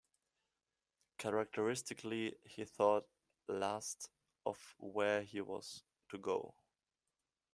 Characteristically he thought last of where he was to go.